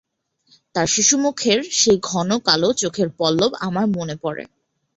তার শিশুমুখের সেই ঘন কালো চোখের পল্লব আমার মনে পড়ে।